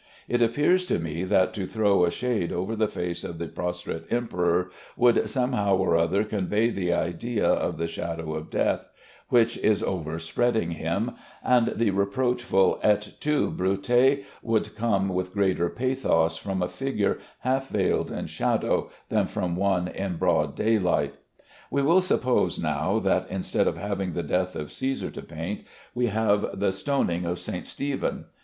It appears to me that to throw a shade over the face of the prostrate emperor would somehow or other convey the idea of the shadow of death, which is overspreading him, and the reproachful "Et tu Bruté" would come with greater pathos from a figure half veiled in shadow than from one in broad daylight. We will suppose now that instead of having the death of Cæsar to paint we have the "Stoning of St. Stephen."